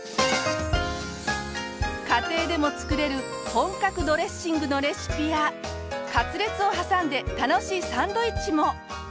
家庭でも作れる本格ドレッシングのレシピやカツレツを挟んで楽しいサンドイッチも！